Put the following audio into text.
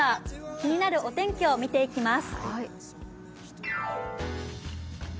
気になるお天気を見ていきます。